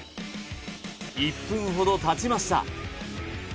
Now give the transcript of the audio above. １分ほどたちました